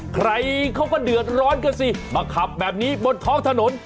ใครเขาก็เดือดร้อนกันสิมาขับแบบนี้บนท้องถนน